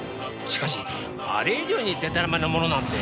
しかしあれ以上にでたらめなものなんて。